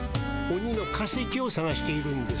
オニの化石をさがしているんです。